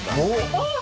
あっ！